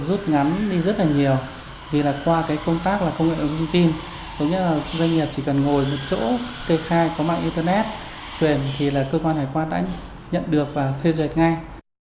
doanh nghiệp chỉ cần ngồi một chỗ kê khai có mạng internet chuyển thì là cơ quan hải quan đã nhận được và phê duyệt ngay